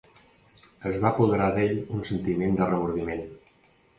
Es va apoderar d'ell un sentiment de remordiment.